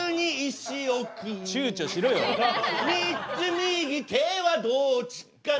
３つ右手はどっちかな